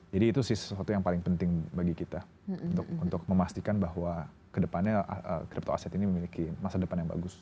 jadi itu sih sesuatu yang paling penting bagi kita untuk memastikan bahwa kedepannya crypto aset ini memiliki masa depan yang bagus